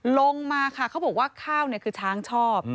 ลงมาค่ะเขาบอกว่าข้าวคือช้างชอบ